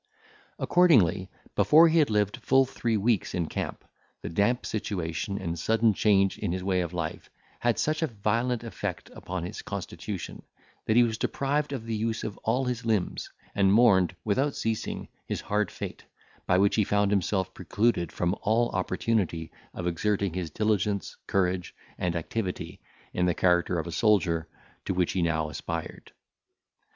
Accordingly, before he had lived full three weeks in camp, the damp situation, and sudden change in his way of life, had such a violent effect upon his constitution, that he was deprived of the use of all his limbs, and mourned, without ceasing, his hard fate, by which he found himself precluded from all opportunity of exerting his diligence, courage, and activity, in the character of a soldier, to which he now aspired.